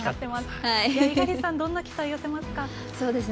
猪狩さんはどんな期待を寄せますか？